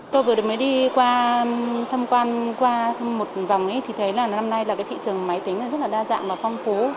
tôi vừa được mới đi qua thăm quan qua một vòng ấy thì thấy là năm nay là cái thị trường máy tính rất là đa dạng và phong phú